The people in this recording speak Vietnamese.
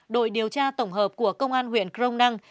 đội điều tra tổng hợp của công an huyện crong năng